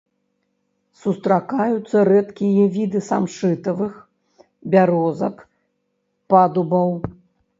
Сустракаюцца рэдкія віды самшытавых, бярозак, падубаў.